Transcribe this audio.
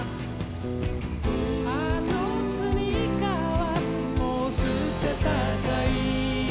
「あのスニーカーはもう捨てたかい」